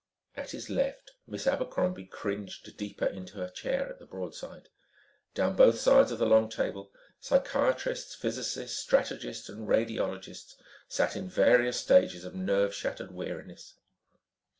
At his left, Miss Abercrombie cringed deeper into her chair at the broadside. Down both sides of the long table, psychiatrists, physicists, strategists and radiologists sat in various stages of nerve shattered weariness.